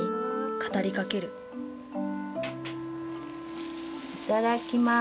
はいいただきます。